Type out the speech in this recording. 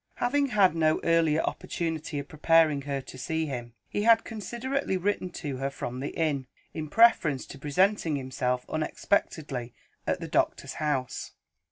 Having had no earlier opportunity of preparing her to see him, he had considerately written to her from the inn, in preference to presenting himself unexpectedly at the doctor's house.